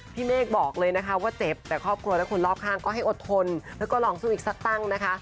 เมฆบอกเลยนะคะว่าเจ็บแต่ครอบครัวและคนรอบข้างก็ให้อดทนแล้วก็ลองสู้อีกสักตั้งนะคะ